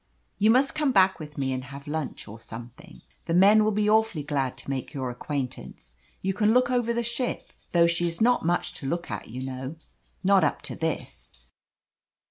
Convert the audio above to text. You must come back with me, and have lunch or something. The men will be awfully glad to make your acquaintance. You can look over the ship, though she is not much to look at, you know! Not up to this.